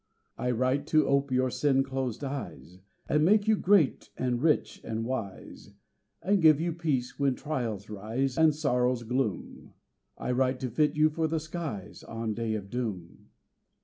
I write to ope your sin closed eyes, And make you great, and rich, and wise, And give you peace when trials rise, And sorrows gloom; I write to fit you for the skies On Day of Doom.